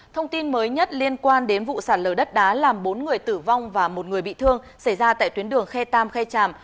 thông tin mới nhất liên quan đến vụ sạt lở đất đá làm bốn người tử vong và một người bị thương xảy ra tại tuyến đường khe tam khe tràm